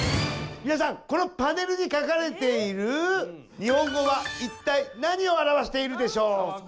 皆さんこのパネルに書かれている日本語は一体何を表しているでしょうか？